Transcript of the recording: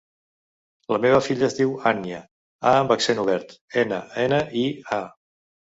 La meva filla es diu Ànnia: a amb accent obert, ena, ena, i, a.